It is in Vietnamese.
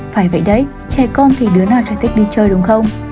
phải vậy đấy trẻ con thì đứa nào trẻ thích đi chơi đúng không